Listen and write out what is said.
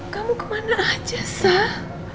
kamu kemana aja sah